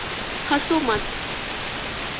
ہنسو مت